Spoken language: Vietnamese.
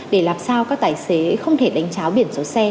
để làm sao các tài xế không thể đánh cháo biển số xe